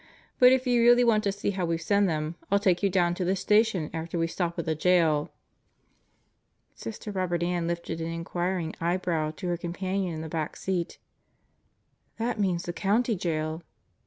But if you really want to see how we send them I'll take you down to tie Station after we stop at the jail." Sister Robert Ann lifted an inquiring eyebrow to her companion in the back seat. "That means the County Jail!"